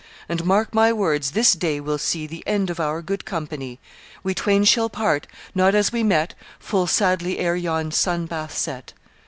And mark my words; this day will see The end of our good company; We twain shall part not as we met Full sadly ere yon sun bath set.